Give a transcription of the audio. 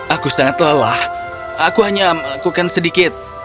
aku sangat lelah aku hanya melakukan sedikit